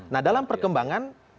nah dalam perkembangan